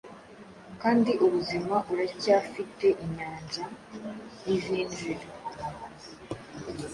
Kandi ubuzima uracyafiteInyanja- ntizinjra